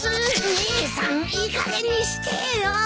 姉さんいいかげんにしてよ。